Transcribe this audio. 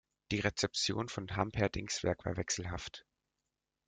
Die Rezeption von Humperdincks Werk war wechselhaft.